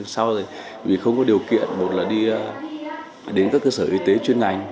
sau này vì không có điều kiện một là đi đến các cơ sở y tế chuyên ngành